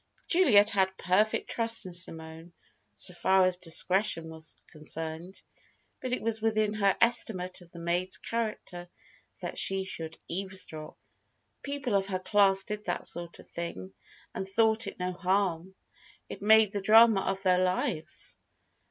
Juliet had perfect trust in Simone, so far as discretion was concerned, but it was within her estimate of the maid's character that she should eavesdrop. People of her class did that sort of thing and thought it no harm. It made the drama of their lives!